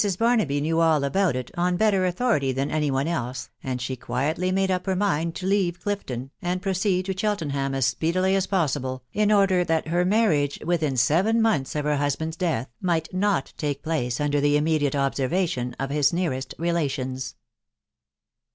Bar naby knew all about it, on better authority than any one else, and she quietly made up her mind to leave Clifton, and pro ceed to Cheltenham as speedily as possible, in order that her marriage, within seven months of her husband's death, might not take place under the immediate observation of his nearest relations.